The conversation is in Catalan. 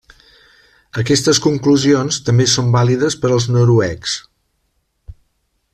Aquestes conclusions també són vàlides per als noruecs.